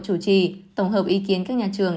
chủ trì tổng hợp ý kiến các nhà trường